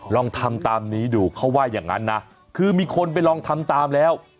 ลองทำตามนี้ดูเขาว่าอย่างนั้นนะคือมีคนไปลองทำตามแล้ว